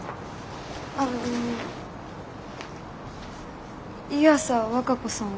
あの湯浅和歌子さんは？